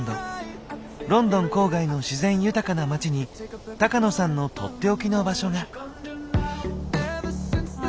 ロンドン郊外の自然豊かな街に高野さんの取って置きの場所が。